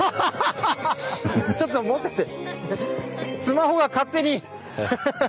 ちょっと持ってて。